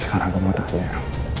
sekarang gua mau tanya